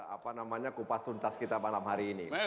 apa namanya kupas tuntas kita malam hari ini